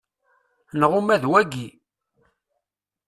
Neɣ uma d wayi.